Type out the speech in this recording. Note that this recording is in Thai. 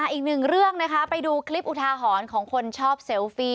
อีกหนึ่งเรื่องนะคะไปดูคลิปอุทาหรณ์ของคนชอบเซลฟี่